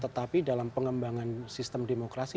tetapi dalam pengembangan sistem demokrasi